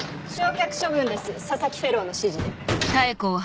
焼却処分です佐々木フェローの指示で。